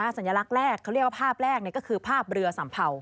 สัญลักษณ์แรกเขาเรียกว่าภาพแรกก็คือภาพเรือสัมเภา